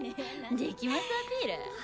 できますアピール？